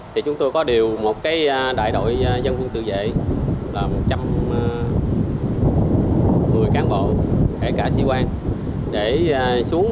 thì chúng tôi có điều một cái đại đội dân quân tự dệ là một trăm một mươi cán bộ kể cả sĩ quan